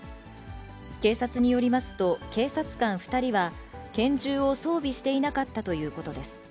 警察によりますと、警察官２人は拳銃を装備していなかったということです。